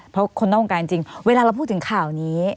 เพราะคนนอกวงการจริงเวลาเราพูดถึงข่าวนี้